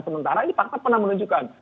sementara ini pak taf pernah menunjukkan